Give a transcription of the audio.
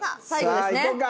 さあいこうか！